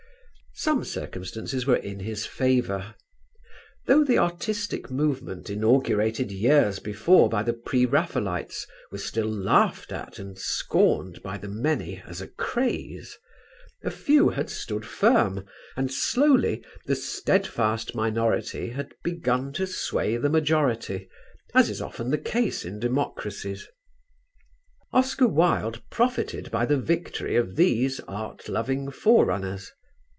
Some circumstances were in his favour. Though the artistic movement inaugurated years before by the Pre Raphaelites was still laughed at and scorned by the many as a craze, a few had stood firm, and slowly the steadfast minority had begun to sway the majority as is often the case in democracies. Oscar Wilde profited by the victory of these art loving forerunners.